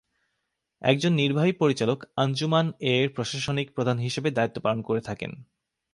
একজন নির্বাহী পরিচালক আঞ্জুমান-এর প্রশাসনিক প্রধান হিসেবে দায়িত্ব পালন করে থাকেন।